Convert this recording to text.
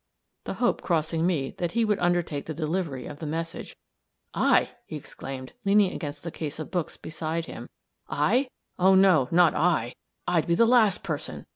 the hope crossing me that he would undertake the delivery of the message. "I!" he exclaimed, leaning against the case of books beside him. "I! oh, no, not I. I'd be the last person!